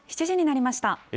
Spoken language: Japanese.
７時になりました。